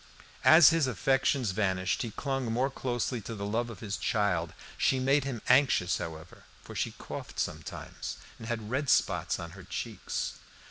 As his affections vanished, he clung more closely to the love of his child. She made him anxious, however, for she coughed sometimes, and had red spots on her cheeks.